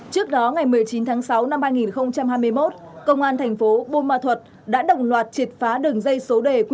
trước đó ngày một mươi chín tháng sáu năm hai nghìn hai mươi một công an tp bùn ma thuật đã động loạt triệt phá đường dây số đề